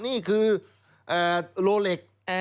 นี่คือโลเล็ก